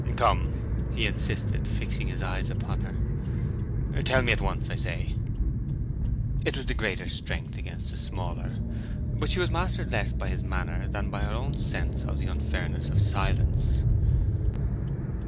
"Come," he insisted, fixing his eyes upon her. "Tell me at once, I say." It was the greater strength against the smaller; but she was mastered less by his manner than by her own sense of the unfairness of silence.